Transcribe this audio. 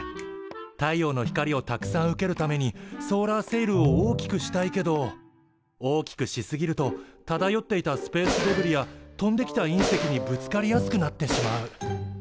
太陽の光をたくさん受けるためにソーラーセイルを大きくしたいけど大きくしすぎるとただよっていたスペースデブリや飛んできた隕石にぶつかりやすくなってしまう。